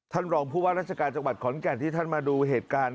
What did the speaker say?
ท่านรองผู้ว่าราชการจังหวัดขอนแก่นที่ท่านมาดูเหตุการณ์